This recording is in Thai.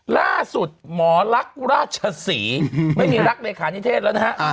ล่าสุดหมอลักษณ์ราชศรีไม่มีรักเลขานิเทศแล้วนะฮะ